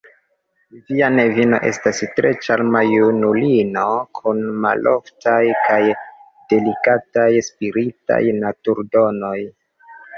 Via nevino estas tre ĉarma junulino kun maloftaj kaj delikataj spiritaj naturdonoj.